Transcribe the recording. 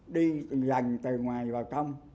đi rành từ ngoài vào trong